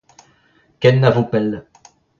kent na vo pell